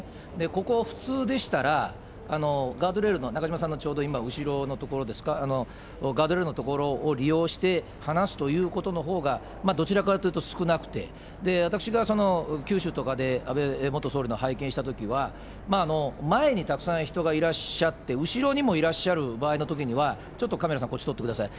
ここ、普通でしたら、ガードレールの、中島さんのちょうど後ろの所ですか、ガードレールの所を利用して話すということのほうが、どちらかというと少なくて、私が九州とかで安倍元総理の拝見したときは、前にたくさん人がいらっしゃって、後ろにもいらっしゃる場合のときには、ちょっとカメラさん、こっち撮ってください。